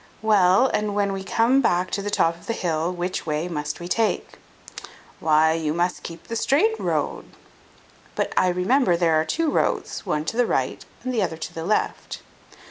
"Well, and when we come back to the top of the hill, which way must we take?" "Why, you must keep the strait road." "But I remember there are two roads, one to the right and the other to the left."